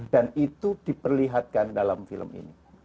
itu diperlihatkan dalam film ini